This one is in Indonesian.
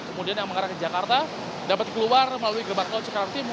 kemudian yang mengarah ke jakarta dapat keluar melalui gerbang tol cikarang timur